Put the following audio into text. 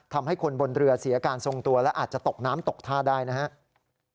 ทำให้คนบนเรือเสียการทรงตัวและอาจจะตกน้ำตกท่าได้นะครับ